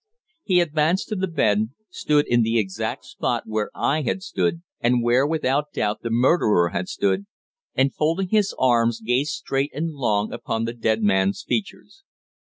He advanced to the bed, stood in the exact spot where I had stood, and where without doubt the murderer had stood, and folding his arms gazed straight and long upon the dead man's features.